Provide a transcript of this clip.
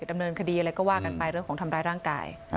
ดำเนินคดีอะไรก็ว่ากันไปเรื่องของทำร้ายร่างกาย